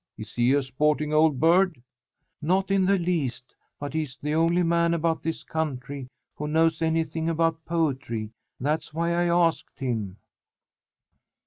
Is he a sporting old bird?" "Not in the least; but he's the only man about this country who knows anything about poetry. That's why I asked him."